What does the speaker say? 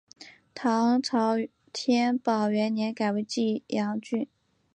唐朝天宝元年改为济阳郡。